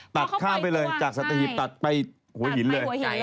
ตัดข้ามไปเลยจากสัตหีบตัดไปหัวหินเลย